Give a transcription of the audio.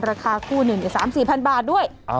ราคาคู่หนึ่งอย่าง๓๔พันบาทด้วย